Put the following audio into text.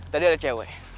tadi ada cewek